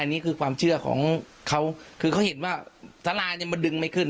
อันนี้คือความเชื่อของเขาคือเขาเห็นว่าสาราเนี่ยมันดึงไม่ขึ้น